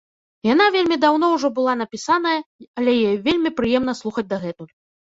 Яна вельмі даўно ўжо была напісаная, але яе вельмі прыемна слухаць дагэтуль.